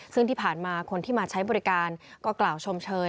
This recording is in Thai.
ซึ่งที่ผ่านมาคนที่มาใช้บริการก็กล่าวชมเชย